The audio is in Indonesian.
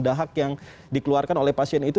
dahak yang dikeluarkan oleh pasien itu